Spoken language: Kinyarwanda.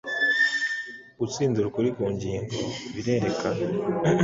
Gutsindira ukuri ku ngingo birerekana,